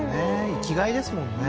生きがいですもんね